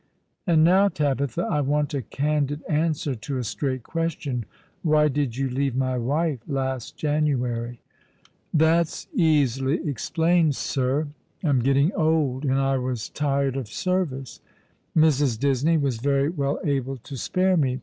''And now, Tabitha, I want a candid answer to a straight question. Why did you leave my wife last January ?"" That's easily explained, sir. I'm getting old, and I was tired of service. Mrs. Disney was very well able to spare me.